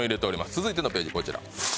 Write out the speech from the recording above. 続いてのページこちら。